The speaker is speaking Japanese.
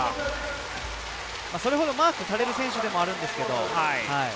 それほどマークされる選手ではあるんですけれども。